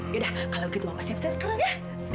yaudah kalau gitu mama siap siap sekarang ya